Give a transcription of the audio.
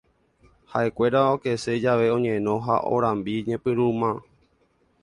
Haʼekuéra okese jave oñeno ha orambi ñepyrũma.